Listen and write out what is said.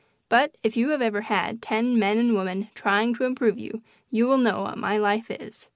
But if you have ever had ten men and women trying to improve you, you will know what my life is.